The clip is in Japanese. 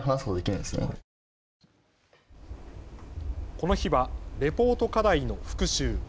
この日はレポート課題の復習。